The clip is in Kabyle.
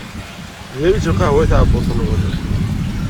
Diri-tt lqahwa i tɛebbuṭ-nwen.